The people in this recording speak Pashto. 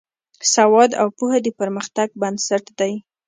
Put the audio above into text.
سواد او پوهه د پرمختګ بنسټ دی.